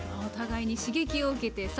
お互いに刺激を受けて。